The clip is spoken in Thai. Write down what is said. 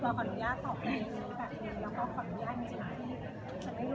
เพราะความรู้ยากต่อไปแบบนี้แบบนี้และความรู้ยากจริงที่จะไม่รุมรัก